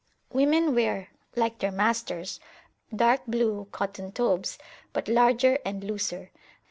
Women wear, like their masters, dark blue cotton Tobes, but larger and looser.